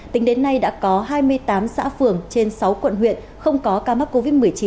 tính đến nay đã có hai mươi tám xã phường trên sáu quận huyện không có ca mắc covid một mươi chín